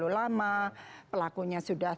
terlalu lama pelakunya sudah